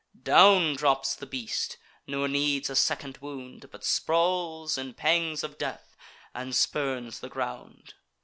Down drops the beast, nor needs a second wound, But sprawls in pangs of death, and spurns the ground.